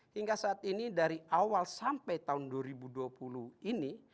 hingga saat ini dari awal sampai tahun dua ribu dua puluh ini